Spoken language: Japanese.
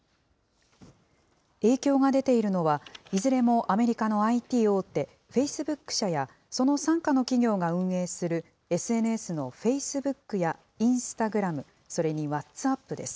影響が出ているのは、いずれもアメリカのＩＴ大手、フェイスブック社や、その傘下の企業が運営するＳＮＳのフェイスブックやインスタグラム、それにワッツアップです。